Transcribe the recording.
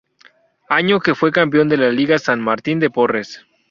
Año que fue campeón de la Liga San Martín de Porres.